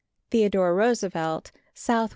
Theodore Roosevelt, S. W.